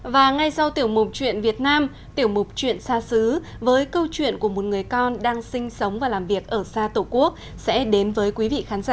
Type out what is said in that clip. và ngay sau tiểu mục chuyện việt nam tiểu mục chuyện xa xứ với câu chuyện của một người con đang sinh sống và làm việc ở xa tổ quốc sẽ đến với quý vị khán giả